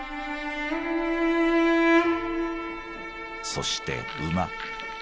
そして馬。